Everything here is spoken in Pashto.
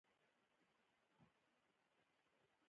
د زهرو د ضد لپاره د سکرو او اوبو ګډول وکاروئ